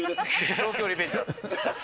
東京リベンジャーズ。